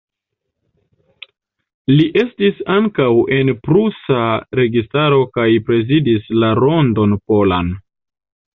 Li estis ankaŭ en prusa registaro kaj prezidis la Rondon Polan.